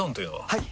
はい！